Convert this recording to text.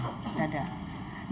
jadi ini adalah hal yang terjadi